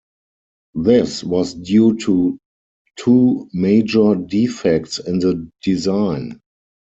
This was due to two major defects in the design.